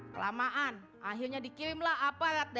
kelamaan akhirnya dikirimlah aparat dari indonesia